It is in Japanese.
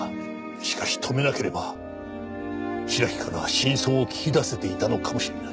しかし止めなければ白木から真相を聞き出せていたのかもしれない。